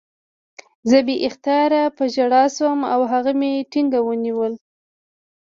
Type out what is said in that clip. زه بې اختیاره په ژړا شوم او هغه مې ټینګ ونیو